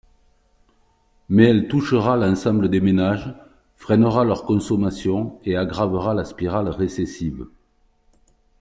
Mais elle touchera l’ensemble des ménages, freinera leur consommation et aggravera la spirale récessive.